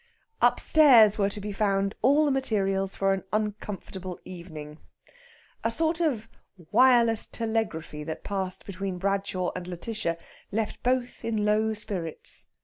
Upstairs were to be found all the materials for an uncomfortable evening. A sort of wireless telegraphy that passed between Bradshaw and Lætitia left both in low spirits.